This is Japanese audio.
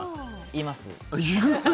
言います。